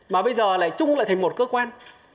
mà bây giờ lại chung lại thành một cơ quan